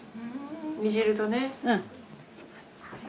煮汁とね。